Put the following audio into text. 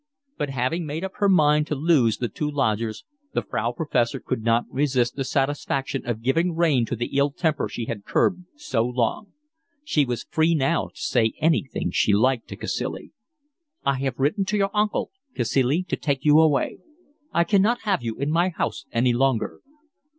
But having made up her mind to lose the two lodgers, the Frau Professor could not resist the satisfaction of giving rein to the ill temper she had curbed so long. She was free now to say anything she liked to Cacilie. "I have written to your uncle, Cacilie, to take you away. I cannot have you in my house any longer."